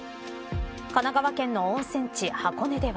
神奈川県の温泉地、箱根では。